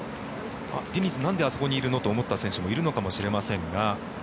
ディニズなんであそこにいるの？と思った選手もいるのかもしれませんが。